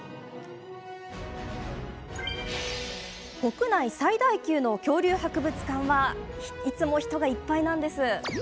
国内最大級の恐竜博物館はいつも人がいっぱいなんです。